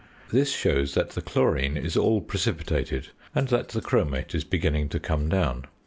This shows that the chlorine is all precipitated, and that the chromate is beginning to come down.